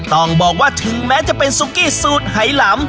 ต้องบอกว่าถึงแม้จะเป็นซุกี้สูตรไหลำ